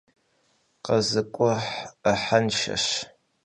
КъэзыкӀухь Ӏыхьэншэщ.